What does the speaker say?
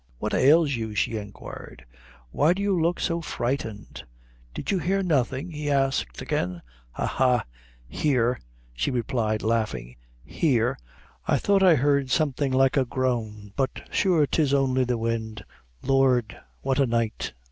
"What ails you?" she enquired. "Why do you look so frightened?" "Did you hear nothing?" he again asked. "Ha! ha! hear!" she replied, laughing "hear; I thought I heard something like a groan; but sure 'tis only the wind. Lord! what a night!